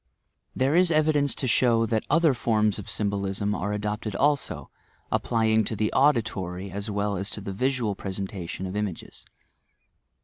There is evidaiee to akow AaS oAer forms of by the ■ SYMBOLISM bolism are adopted also, — applying to the auditory ae well as to the visual presentation of images.